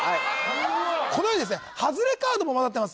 このようにですねハズレカードも混ざってます